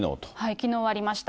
きのうありました。